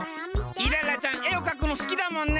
イララちゃん絵をかくのすきだもんね。